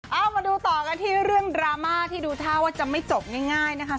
เอามาดูต่อกันที่เรื่องดราม่าที่ดูท่าว่าจะไม่จบง่ายนะคะ